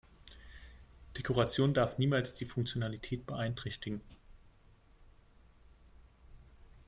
Dekoration darf niemals die Funktionalität beeinträchtigen.